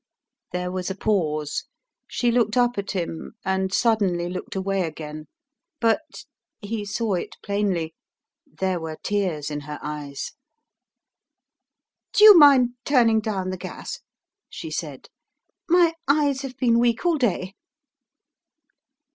There was a pause. She looked up at him, and suddenly looked away again; but he saw it plainly there were tears in her eyes. "Do you mind turning down the gas?" she said. "My eyes have been weak all day."